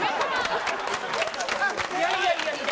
いやいやいやいや